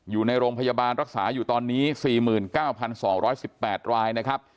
อยู่ในโรงพยาบาลรักษาอยู่ตอนนี้๔๙๒๑๘รายนะครับ